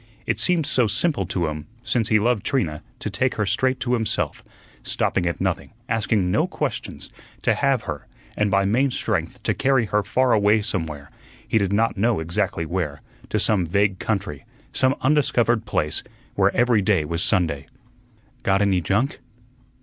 It seemed so simple to him since he loved Trina to take her straight to himself, stopping at nothing, asking no questions, to have her, and by main strength to carry her far away somewhere, he did not know exactly where, to some vague country, some undiscovered place where every day was Sunday. "Got any junk?"